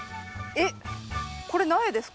えっこれ苗ですか？